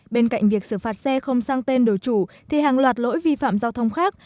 bên cạnh việc xử phạt xe không sang tên đổi chủ thì hàng loạt lỗi vi phạm giao thông khác